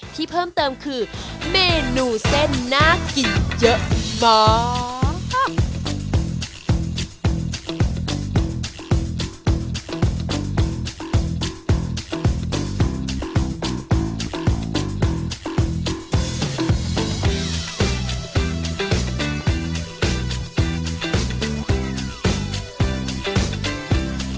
ที่เพิ่มเติมคือเมนูเส้นน่ากินเยอะบอก